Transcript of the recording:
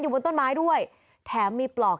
บนต้นไม้ด้วยแถมมีปลอก